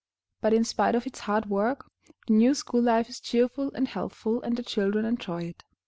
But in spite of its hard work, the new school life is cheerful and healthful, and the children enjoy it.